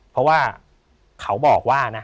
เพราะว่าเขาบอกว่านะ